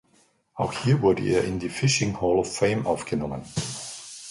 Auch hier wurde er in die "Fishing Hall of Fame" aufgenommen.